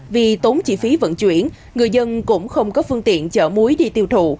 vì tốn chi phí vận chuyển người dân cũng không có phương tiện chở muối đi tiêu thụ